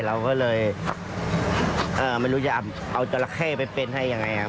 เราก็เลยเอ่อไม่รู้จะเอาเอาจราเข้ไปเป็นให้ยังไงอ่ะ